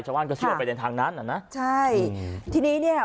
ชาวบ้านก็เชื่อไปในทางนั้นอ่ะนะใช่ทีนี้เนี่ย